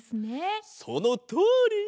そのとおり！